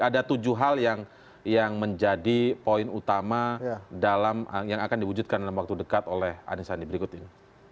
ada tujuh hal yang menjadi poin utama yang akan diwujudkan dalam waktu dekat oleh anisandi berikut ini